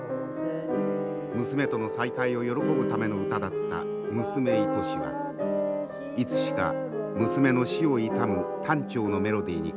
娘との再会を喜ぶための歌だった「娘愛し」はいつしか娘の死を悼む短調のメロディーに変わりました。